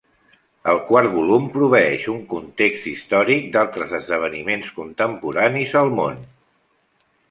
El quart volum proveeix un context històric d'altres esdeveniments contemporanis en el món.